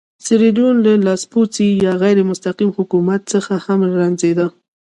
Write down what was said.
سیریلیون له لاسپوڅي یا غیر مستقیم حکومت څخه هم رنځېده.